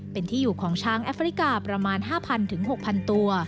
เป็นที่อยู่ของช้างแอฟริกาประมาณ๕๐๐๖๐๐ตัว